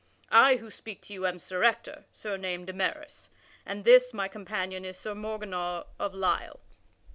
I who speak to you am Sir Ector, surnamed de Maris, and this, my companion, is Sir Morganor of Lisle."